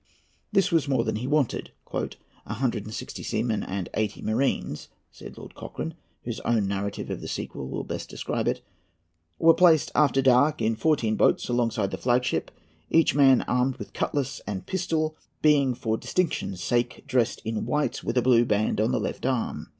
This was more than he wanted. "A hundred and sixty seamen and eighty marines," said Lord Cochrane, whose own narrative of the sequel will best describe it, "were placed, after dark, in fourteen boats alongside the flag ship, each man, armed with cutlass and pistol, being, for distinction's sake, dressed in white, with a blue band on the left arm.